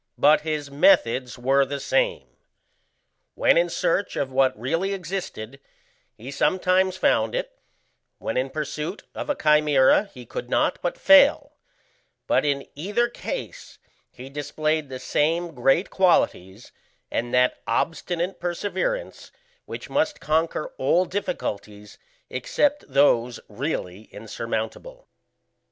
But his methods were the same. When in search of what really existed he sometimes found it; when in pursuit of a chimæra he could not but fail; but in either case he displayed the same great qualities, and that obstinate perseverance which must conquer all difficulties except those really insurmountable."